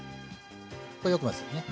これよく混ぜてね。